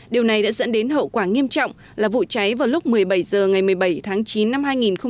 điều này đã dẫn đến hậu quả nghiêm trọng là vụ cháy vào lúc một mươi bảy h ngày một mươi bảy tháng chín năm hai nghìn một mươi chín